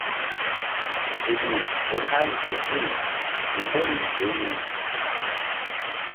Duli eŋ hani ke guy mgbori rih.